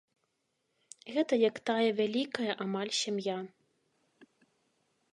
Гэта як такая вялікая амаль сям'я.